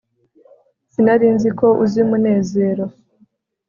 sinari nzi ko uzi munezero